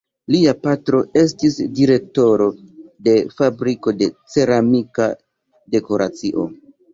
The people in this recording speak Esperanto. Lia patro estis direktoro de fabriko de ceramika dekoracio.